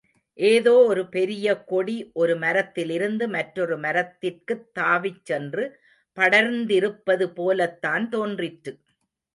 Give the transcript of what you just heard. ஏதோ ஒரு பெரிய கொடி ஒரு மரத்திலிருந்து மற்றொரு மரத்திற்குத் தாவிச் சென்று படர்ந்திருப்பது போலத்தான் தோன்றிற்று.